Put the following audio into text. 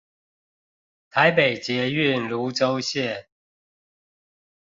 臺北捷運蘆洲線